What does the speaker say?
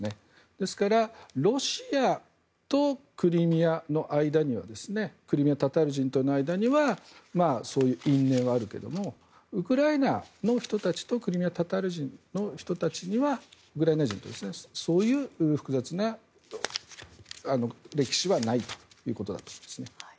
ですからロシアとクリミアの間にはクリミア・タタール人との間にはそういう因縁はあるけれどもウクライナの人たちとクリミア・タタールの人たちにはそういう複雑な歴史はないということですね。